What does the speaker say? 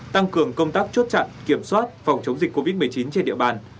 tăng cường công tác chốt chặn kiểm soát phòng chống dịch covid một mươi chín trên địa bàn